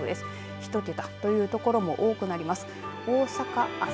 １桁という所も多くなります。